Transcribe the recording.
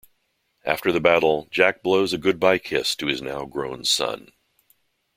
After the battle, Jack blows a goodbye kiss to his now grown son.